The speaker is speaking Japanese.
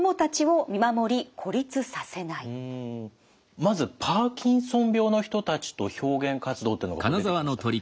まず「パーキンソン病の人たちと表現活動」っていうのが出てきました。